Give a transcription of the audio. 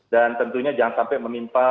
dan tentunya jangan sampai memimpa